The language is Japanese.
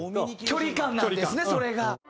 距離感なんですねそれが。